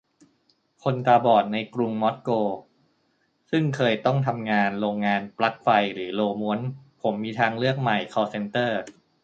คนตาบอดในกรุงมอสโก ซึ่งเคยต้องทำงานโรงงานปลั๊กไฟหรือโรลม้วนผม : มีทางเลือกใหม่ คอลล์เซ็นเตอร์